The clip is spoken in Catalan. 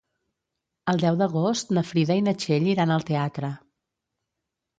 El deu d'agost na Frida i na Txell iran al teatre.